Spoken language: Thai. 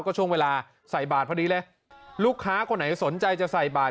ก็ช่วงเวลาใส่บาทพอดีเลยลูกค้าคนไหนสนใจจะใส่บาท